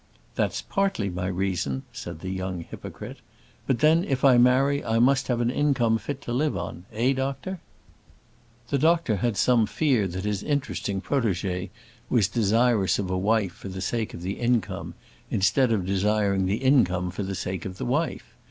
"That's partly my reason," said the young hypocrite. "But then, if I marry I must have an income fit to live on; eh, doctor?" The doctor had some fear that his interesting protégée was desirous of a wife for the sake of the income, instead of desiring the income for the sake of the wife.